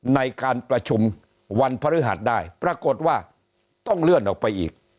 ในการประชุมวันพฤหัสได้ปรากฏว่าต้องเลื่อนออกไปอีก